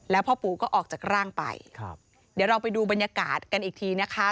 แล้วพ่อปู่ก็ออกจากร่างไปครับเดี๋ยวเราไปดูบรรยากาศกันอีกทีนะคะ